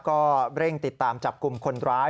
ก็เร่งติดตามจับกลุ่มคนร้าย